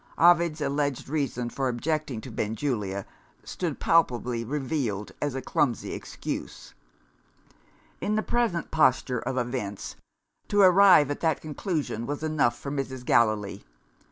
Ovid's alleged reason for objecting to Benjulia stood palpably revealed as a clumsy excuse. In the present posture of events, to arrive at that conclusion was enough for Mrs. Gallilee.